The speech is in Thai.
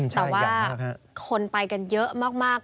แต่ว่าคนไปกันเยอะมาก